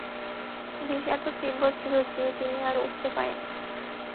বিষ এত তীব্র ছিল যে, তিনি আর উঠতে পারেননি।